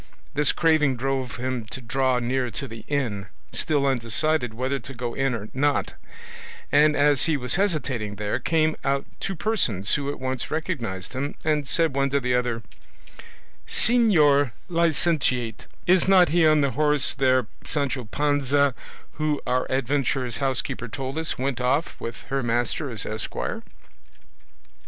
This craving drove him to draw near to the inn, still undecided whether to go in or not, and as he was hesitating there came out two persons who at once recognised him, and said one to the other: "Señor licentiate, is not he on the horse there Sancho Panza who, our adventurer's housekeeper told us, went off with her master as esquire?"